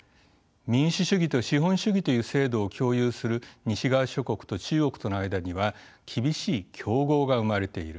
民主主義と資本主義という制度を共有する西側諸国と中国との間には厳しい競合が生まれている。